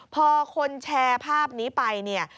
พอคนแชร์ภาพนี้ไป